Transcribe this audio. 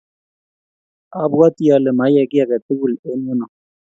Abwoti ale maiyai kiy age tugul eng' yuno